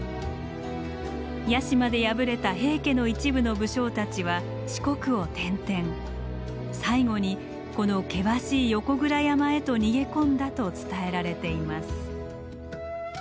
屋島で敗れた平家の一部の武将たちは四国を転々最後にこの険しい横倉山へと逃げ込んだと伝えられています。